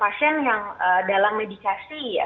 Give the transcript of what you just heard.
pasien yang dalam medikasi ya